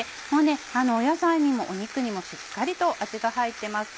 野菜にも肉にもしっかりと味が入ってます。